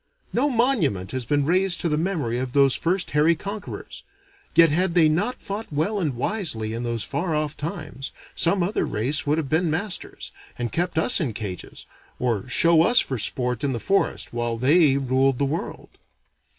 No monument has been raised to the memory of those first hairy conquerors; yet had they not fought well and wisely in those far off times, some other race would have been masters, and kept us in cages, or show us for sport in the forest while they ruled the world.